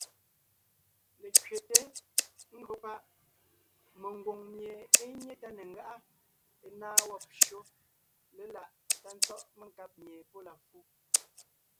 Lekẅeté (ńgÿo páʼ ) mengwòŋ mie é nyé tá ne ńgáʼa, ńnáa wɔ́b shÿó léláʼ tá tsɔ́ʼ menkáb mie pɔ́ la fu,